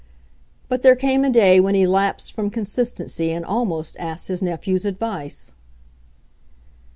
But there came a day when he lapsed from consistency and almost asked his nephew's advice.